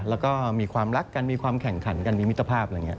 แล้วก็มีความรักกันมีความแข่งขันกันมีมิตรภาพอะไรอย่างนี้